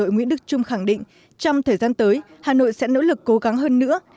nguyễn đức trung khẳng định trong thời gian tới hà nội sẽ nỗ lực cố gắng hơn nữa